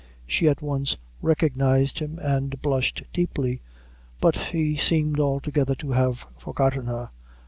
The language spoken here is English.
She at once recognized him, and blushed deeply; but he seemed altogether to have forgotten her.